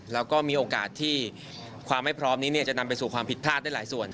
แล้วก็มีโอกาสที่ความไม่พร้อมนี้จะนำไปสู่ความผิดพลาดได้หลายส่วน